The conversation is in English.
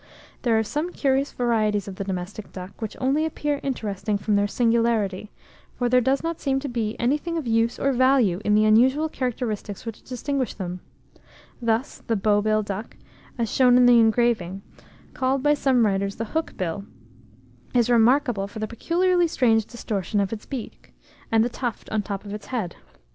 There are some curious varieties of the domestic duck, which only appear interesting from their singularity, for there does not seem to be anything of use or value in the unusual characteristics which distinguish them; thus, the bow bill duck, as shown in the engraving, called by some writers the hook bill, is remarkable for the peculiarly strange distortion of its beak, and the tuft on the top of its head.